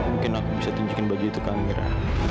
mungkin aku bisa tunjukin baju itu ke amira